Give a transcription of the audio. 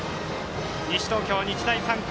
西東京、日大三高。